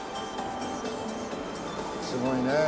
すごいね。